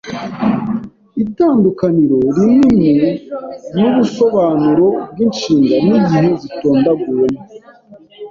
Itandukaniro rininin'ubusobanuro bw'inshinga n'igihe zitondaguyemo